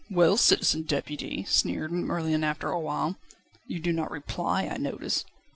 "Well, Citizen Deputy," sneered Merlin after a while, "you do not reply, I notice."